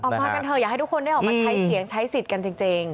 มากันเถอะอยากให้ทุกคนได้ออกมาใช้เสียงใช้สิทธิ์กันจริง